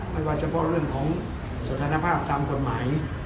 ไม่ว่าเฉพาะเรื่องของสถานภาพตามกฎหมาย